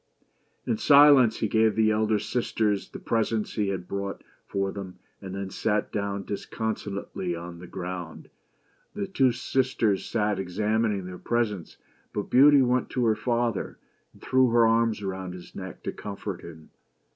In silence he gave the elder sisters the presents he had brought for them, and then sat down disconsolately on the ground. The two sisters sat examining their presents, but Beauty BEAUTY AND THE BEAST. went to her father, and threw her arms around his neck to comfort him.